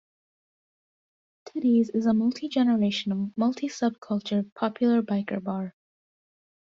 Teddy's is a multi-generational, multi-subculture popular biker bar.